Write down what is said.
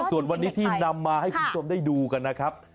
ส่วนวันนี้ที่นำมาให้คุณผู้ชมได้ดูกันนะครับ